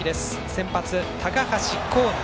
先発、高橋光成。